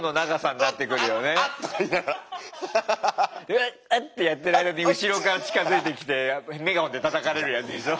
「うわっあっ！」ってやってる間に後ろから近づいてきてメガホンでたたかれるやつでしょ？